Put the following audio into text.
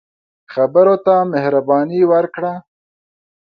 خبرو ته مهرباني ورکړه